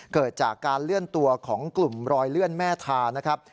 เกิดจากการเลื่อนตัวของกลุ่มรอยเลื่อนแม่ทานะครับ